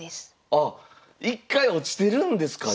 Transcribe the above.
あ１回落ちてるんですか